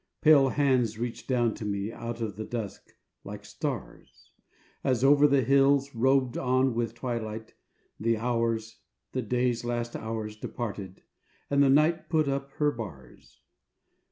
Pale hands reached down to me, out of the dusk, like stars, As over the hills, robed on with twilight, the Hours, The Day's last Hours departed, and the Night put up her bars.